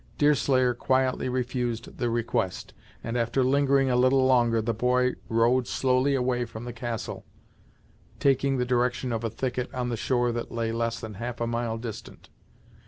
Deerslayer quietly refused the request, and, after lingering a little longer, the boy rowed slowly away from the castle, taking the direction of a thicket on the shore that lay less than half a mile distant.